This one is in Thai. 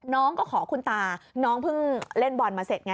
น้องก็ขอคุณตาน้องเพิ่งเล่นบอลมาเสร็จไง